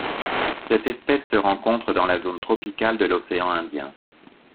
Cette espèce se rencontre dans la zone tropicale de l'Océan Indien.